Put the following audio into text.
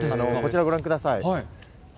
こちらご覧ください。